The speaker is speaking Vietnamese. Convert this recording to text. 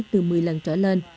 từ một mươi lần trở lên